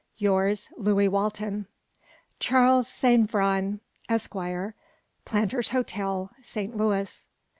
"Yours, "Luis Walton. "Charles Saint Vrain, Esquire, Planters' Hotel, Saint Louis."